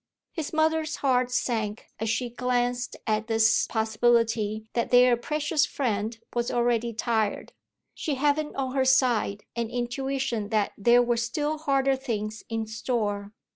His mother's heart sank as she glanced at this possibility that their precious friend was already tired, she having on her side an intuition that there were still harder things in store.